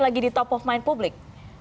lagi di top of mind publik